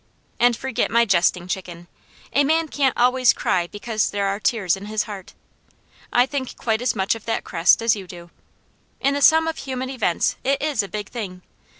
And forget my jesting, Chicken. A man can't always cry because there are tears in his heart. I think quite as much of that crest as you do. In the sum of human events, it is a big thing.